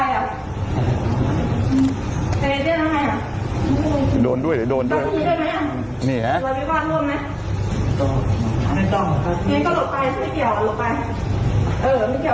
หลังถึงทำมาสองแสนกว่าเบาเบาค่ะเรากลัวพี่ถึงทำแสนกว่าไม่ใช่